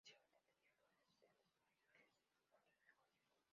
Inicialmente, tenían dos asistentes para ayudarles con sus negocios.